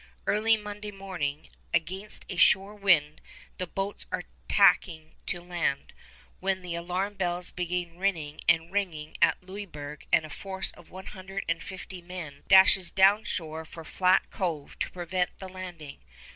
Early Monday morning, against a shore wind, the boats are tacking to land, when the alarm bells begin ringing and ringing at Louisburg and a force of one hundred and fifty men dashes downshore for Flat Cove to prevent the landing.